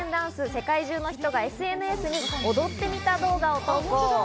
世界中の人がＳＮＳに踊ってみた動画を投稿。